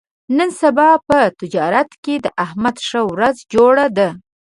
نن سبا په تجارت کې د احمد ښه ورځ جوړه ده.